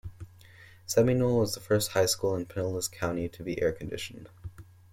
Seminole was the first high school in Pinellas County to be air-conditioned.